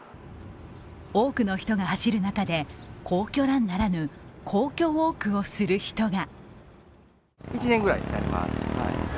多くの人が走る中で、皇居ランならぬ皇居ウオークをする人が。